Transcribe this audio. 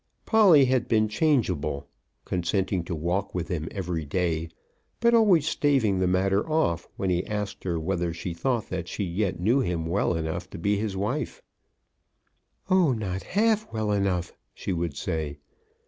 Polly had been changeable, consenting to walk with him every day, but always staving the matter off when he asked her whether she thought that she yet knew him well enough to be his wife. "Oh, not half well enough," she would say.